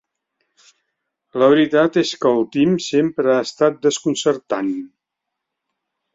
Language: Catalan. La veritat és que el Tim sempre ha estat desconcertant.